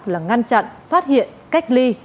là ngăn chặn phát hiện cách ly